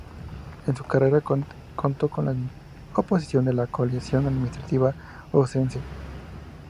En su carrera contó con la oposición de la Coalición Administrativa Oscense.